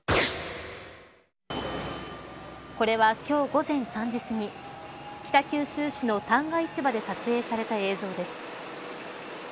これは今日午前３時すぎ北九州市の旦過市場で撮影された映像です。